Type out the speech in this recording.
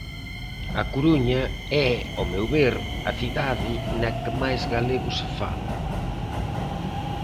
A Coruña é, ao meu ver, a cidade na que máis galego se fala.